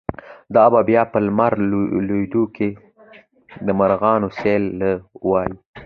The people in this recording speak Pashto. “دا به بیا په لمر لویدو کی، د مرغانو سیل له ورایه